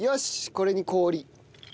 これに氷。